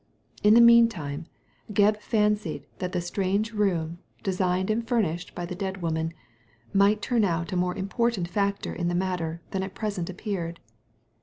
In the mean time, Gebb fancied that the strange room, de signed and furnished by the dead woman, might turn out a more important factor in the matter than at present appeared.